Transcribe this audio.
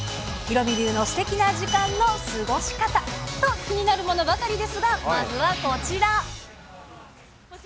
ヒロミ流のすてきな時間の過ごし方。と気になるものばかりですが、まずはこちら。